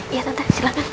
iya tante silahkan